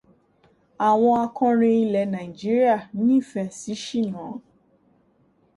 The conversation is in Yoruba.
Àwọn akọrin ilẹ̀ Nàìjíríà nífẹ̀ẹ́ sí ṣìná.